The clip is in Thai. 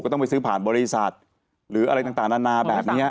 ต้องไปซื้อผ่านบริษัทหรืออะไรต่างนานาแบบนี้